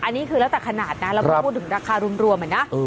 อันนี้คือแล้วแต่ขนาดนะเราก็พูดถึงราคารวมอะนะ